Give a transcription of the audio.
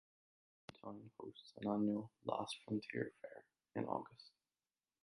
The town hosts an annual Last Frontier Fair in August.